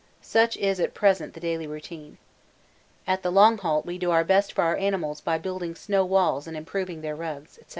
Such is at present the daily routine. At the long halt we do our best for our animals by building snow walls and improving their rugs, &c.